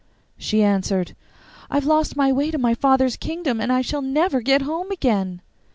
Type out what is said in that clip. She answered, 'I have lost my way to my father's kingdom, and I shall never get home again.